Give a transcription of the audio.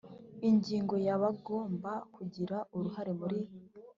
Ingingo ya Abagomba kugira uruhare muri